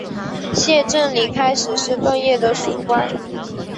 谢正礼开始是段业的属官。